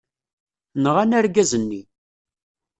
Nɣan argaz-nni.